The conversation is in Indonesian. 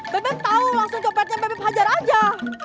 bebe hajar saja